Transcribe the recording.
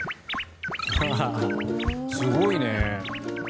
すごいね。